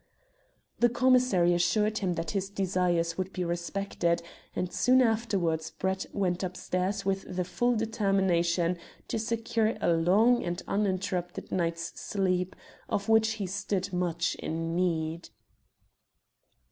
The commissary assured him that his desires would be respected, and soon afterwards Brett went upstairs with the full determination to secure a long and uninterrupted night's sleep, of which he stood much in need.